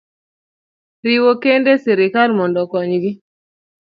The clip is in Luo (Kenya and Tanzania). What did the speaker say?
riwo kend e sirkal mondo okonygi.